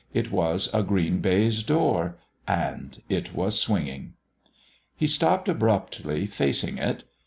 It was a green baize door. And it was swinging. He stopped abruptly, facing it.